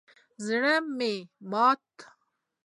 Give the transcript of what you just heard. زړه مه ماتوئ